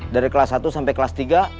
dari kelas satu sampai kelas tiga